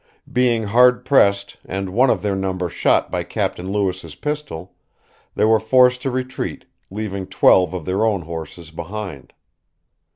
Being hard pressed, and one of their number shot by Captain Lewis's pistol, they were forced to retreat, leaving twelve of their own horses behind.